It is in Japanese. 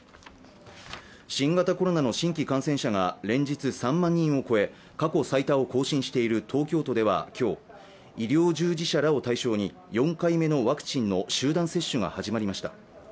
新型コロナの新規感染者が連日３万人を超え過去最多を更新している東京都では今日、医療従事者らを対象に４回目のワクチンの集団接種が始まりました。